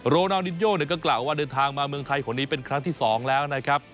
โรนานิสโยก็กล่าวว่าเดินทางมาเมืองไทยคนนี้เป็นครั้งที่๒แล้วนะครับ